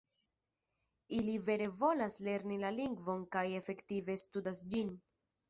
Ili vere volas lerni la lingvon kaj efektive studas ĝin.